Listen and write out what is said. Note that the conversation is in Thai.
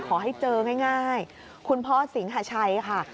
ขอให้เจอง่ายคุณพ่อสิงหาชัยค่ะ